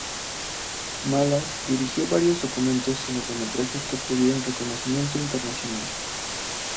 Malas dirigió varios documentales y largometrajes que obtuvieron reconocimiento internacional.